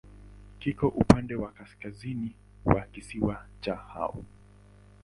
Kiko upande wa kaskazini wa kisiwa cha Hao.